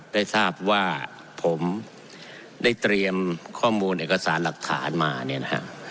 ได้ทราบว่าผมได้เตรียมข้อมูลเอกสารหลักฐานมาเนี่ยนะฮะ